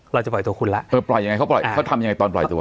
เราจะปล่อยตัวคุณแล้วเออปล่อยยังไงเขาปล่อยเขาทำยังไงตอนปล่อยตัว